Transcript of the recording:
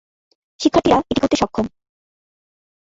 শিক্ষার্থীরা এটি করতে সক্ষম।